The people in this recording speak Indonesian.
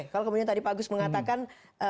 kalau kemudian tadi pak agus mengatakan